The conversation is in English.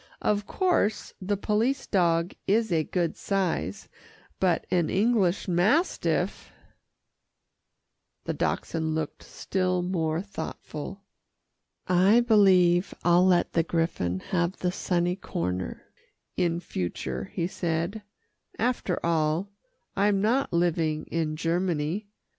"Of course the police dog is a good size, but an English mastiff " The Dachshund looked still more thoughtful. "I believe I'll let the griffon have the sunny corner in future," he said. "After all, I'm not living in Germany.